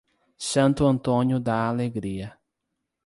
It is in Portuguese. Santo Antônio da Alegria